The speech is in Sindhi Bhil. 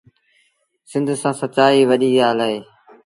سند سآݩ سچآئيٚ وڏيٚ ڳآل اهي۔